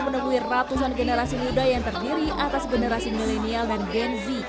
menemui ratusan generasi muda yang terdiri atas generasi milenial dan gen z